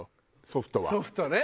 ソフトね。